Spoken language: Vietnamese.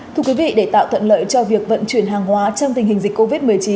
thưa quý vị để tạo thuận lợi cho việc vận chuyển hàng hóa trong tình hình dịch covid một mươi chín